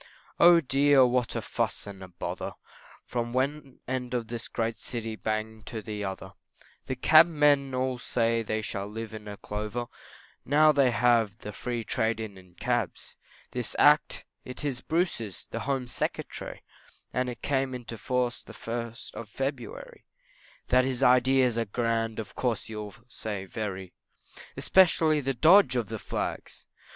Oh dear, what a fuss and a bother, From one end of this great city bang to the other, The Cabmen all say they shall live in clover Now they have the Free trade in cabs; This Act, it is Bruce's, the Home Secretary, And it came into force the 1st of February, That his ideas are grand, of course you'll say very, Especially the dodge of the Flags!